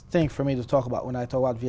từ nhiều trường hợp ở hà nội